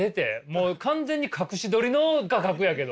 もう完全に隠し撮りの画角やけど。